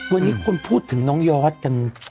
วันนี้คนพูดถึงน้องยอดกัน